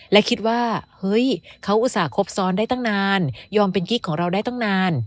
และคิดว่าเฮ้ยเขาอุตส่าหกซ้อนได้ตั้งนานยอมเป็นกิ๊กของเราได้ตั้งนาน